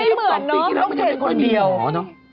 ทีนี้เราจะมันไม่ค่อยมีหมอนะ